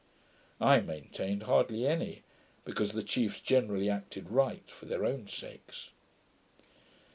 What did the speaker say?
I maintained hardly any; because the chiefs generally acted right, for their own sakes.